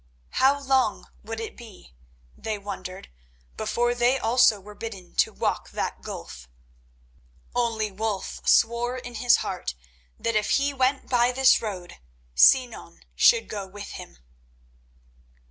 How long would it be, they wondered, before they also were bidden to walk that gulf? Only Wulf swore in his heart that if he went by this road Sinan should go with him.